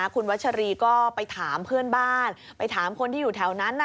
คุณวัชรีก็ไปถามเพื่อนบ้านไปถามคนที่อยู่แถวนั้น